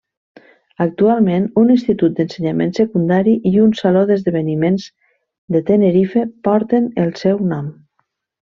Actualment, un institut d'ensenyament secundari i un saló d'esdeveniments de Tenerife porten el seu nom.